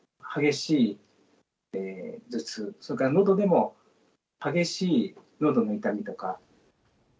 激しい頭痛、それからのどでも激しいのどの痛みとか。